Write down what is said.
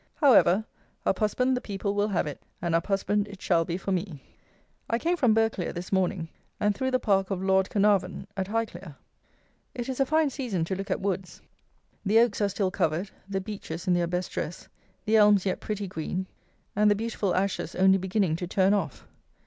However, Uphusband the people will have it, and Uphusband it shall be for me. I came from Berghclere this morning, and through the park of LORD CAERNARVON, at Highclere. It is a fine season to look at woods. The oaks are still covered, the beeches in their best dress, the elms yet pretty green, and the beautiful ashes only beginning to turn off.